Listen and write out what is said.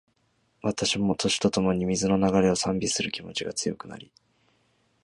私も、年とともに、水の流れを賛美する気持ちが強くなり